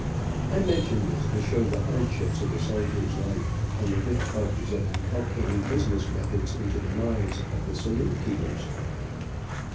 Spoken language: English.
I mention this to show the hardships of a soldier's life, and the difficulties of inculcating business methods into the minds of the saloon keepers.